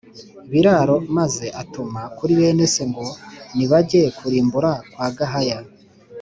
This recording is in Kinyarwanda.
biraro maze atuma kuri bene se ngo nibajye kurimbura kwa Gahaya